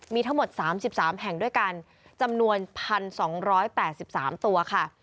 มีทั้งหมด๓๓แห่งด้วยกันจำนวน๑๒๘๓ตัวค่ะ